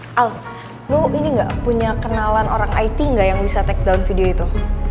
eh al lu ini gak punya kenalan orang it gak yang bisa takedown video itu